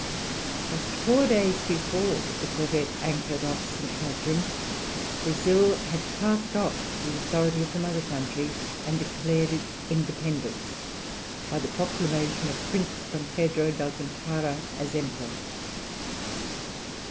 Just four days before the corvette anchored off St. Catherine, Brazil had cast off the authority of the mother country, and declared its independence by the proclamation of Prince Don Pedro d'Alcantara as Emperor.